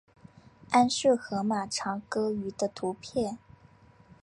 安氏河马长颌鱼的图片